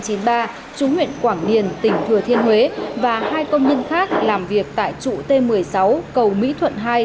trú huyện quảng điền tỉnh thừa thiên huế và hai công nhân khác làm việc tại trụ t một mươi sáu cầu mỹ thuận hai